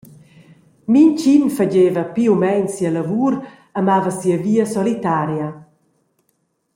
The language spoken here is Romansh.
Mintgin fageva pli u meins sia lavur e mava sia via solitaria.